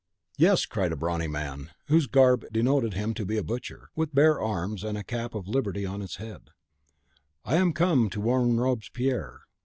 "Yes," cried a brawny man, whose garb denoted him to be a butcher, with bare arms, and a cap of liberty on his head; "I am come to warn Robespierre.